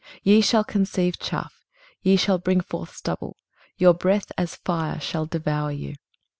23:033:011 Ye shall conceive chaff, ye shall bring forth stubble: your breath, as fire, shall devour you.